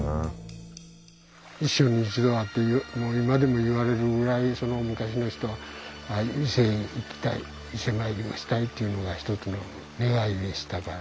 「一生に一度は」って今でも言われるぐらいその昔の人は伊勢へ行きたい伊勢参りをしたいっていうのが一つの願いでしたから。